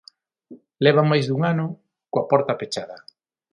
Levan máis dun ano coa porta pechada.